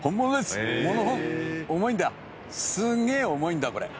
すんげえ重いんだこれ。